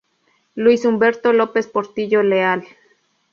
Luis Humberto López Portillo Leal.